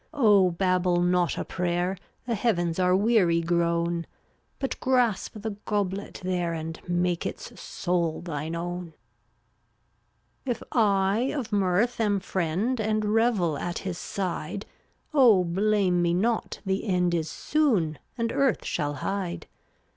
Oh, babble not a prayer, The Heavens are weary grown; But grasp the goblet there And make its soul thine own. 3 50 If I of Mirth am friend And revel at his side, Oh, blame me not, the end Is soon, and earth shall hide.